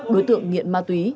đối tượng nghiện ma túy